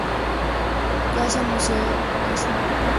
Casa Museo Cnel.